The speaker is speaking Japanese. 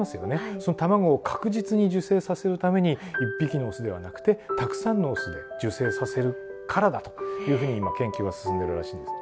その卵を確実に受精させるために１匹のオスではなくてたくさんのオスで受精させるからだというふうに今研究が進んでるらしいんですね。